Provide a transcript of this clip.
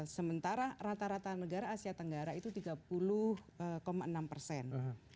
sementara rata rata negara asia tenggara itu tiga puluh enam persen